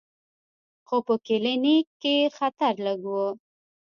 خو په کلینیک کې خطر لږ و.